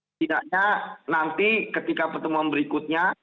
setidaknya nanti ketika pertemuan berikutnya